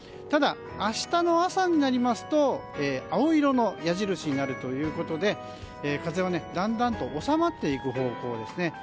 ただ、明日の朝になりますと青色の矢印になるということで風はだんだんと収まっていく方向ですね。